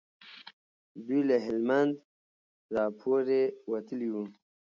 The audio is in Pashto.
دوی تر هلمند را پورې وتلي وو.